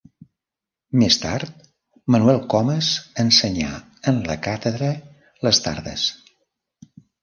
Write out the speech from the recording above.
Més tard Manuel Comes ensenyà en la càtedra les tardes.